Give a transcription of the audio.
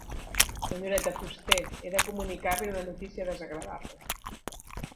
Senyoreta Fuster, he de comunicar-li una notícia desagradable.